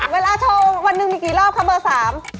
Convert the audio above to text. เวลาโชว์วันหนึ่งมีกี่รอบคะเบอร์สาม